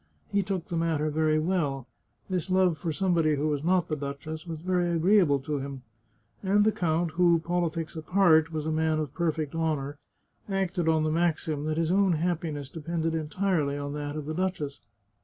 He took the matter very well — this love for somebody who was not the duchess was very agree able to him — and the count, who, politics apart, was a man of perfect honour, acted on the maxim that his own happi ness depended entirely on that of the duchess.